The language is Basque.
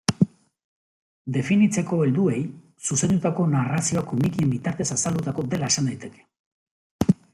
Definitzeko helduei zuzendutako narrazioa komikien bitartez azaldutako dela esan daiteke.